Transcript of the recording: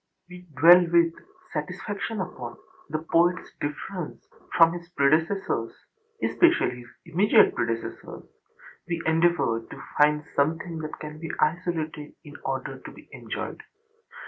We dwell with satisfaction upon the poetâs difference from his predecessors, especially his immediate predecessors; we endeavour to find something that can be isolated in order to be enjoyed.